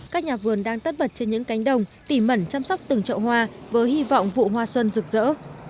các nhà vườn đang tất bật trên những cánh đồng tỉ mẩn chăm sóc từng trậu hoa với hy vọng vụ hoa xuân rực rỡ